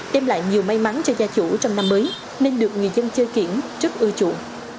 đem lại nhiều may mắn cho gia chủ trong năm mới nên được người dân chơi kiển rất ưa chuộng